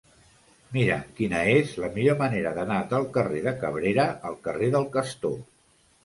Mira'm quina és la millor manera d'anar del carrer de Cabrera al carrer del Castor.